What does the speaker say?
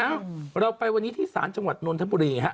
เอ้าเราไปวันนี้ที่ศาลจังหวัดนนทบุรีฮะ